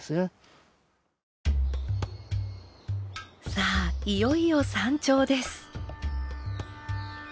さあいよいよ山頂です。